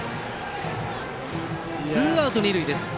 ツーアウト二塁です。